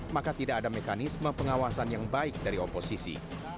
maka tidak ada mekanisme pengawasan yang baik dari oposisi